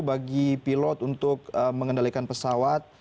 bagi pilot untuk mengendalikan pesawat